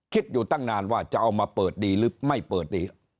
คิดอยู่ตั้งนานว่าจะเอามาเปิดดีหรือไม่เปิดดี